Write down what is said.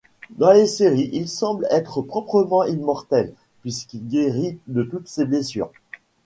Dans les séries, il semble être proprement immortel puisqu'il guérit de toutes ses blessures.